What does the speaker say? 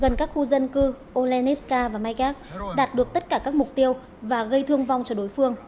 gần các khu dân cư olenevska và maygak đạt được tất cả các mục tiêu và gây thương vong cho đối phương